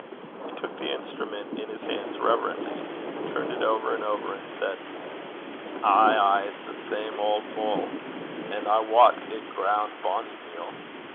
He took the instrument in his hands reverently, turned it over and over, and said, 'Ay, ay; it's the same auld mill, an' I wat it grun' (ground) bonny meal.